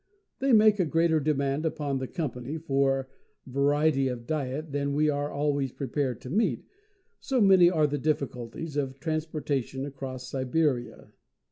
They make a greater demand upon the Company for variety of diet than we are always prepared to meet, so many are the difficulties of transportation across Siberia.